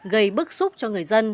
gây bức xúc cho người dân